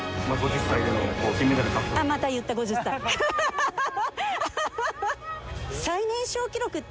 また言った、５０歳って。